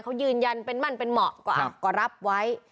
เขายืนยันเป็นมั่นเป็นเหมาะก็รับไว้